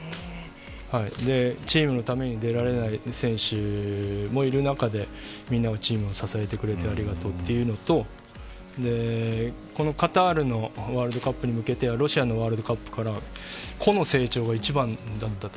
チームのために出られない選手もいる中でみんながチームを支えてくれてありがとうというのとこのカタールのワールドカップに向けてはロシアのワールドカップから個の成長が一番だったと。